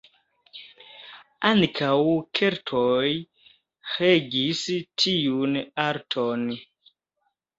Ankaŭ keltoj regis tiun arton.